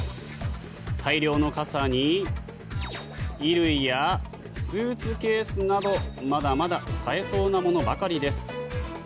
大量の傘に衣類やスーツケースなどまだまだ使えそうなものばかりです。